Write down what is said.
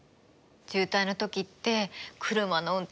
渋滞の時って車の運転